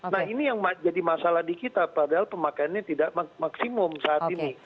nah ini yang jadi masalah di kita padahal pemakaiannya tidak maksimum saat ini